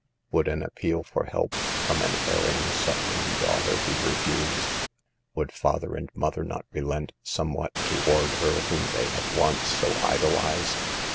Would an appeal for help from an erring, suffering daughter be refused? Would father and mother not relent somewhat toward her whom they had once so idolized?